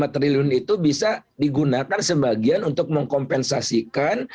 satu ratus dua puluh lima triliun itu bisa digunakan sebagian untuk mengkompensasikan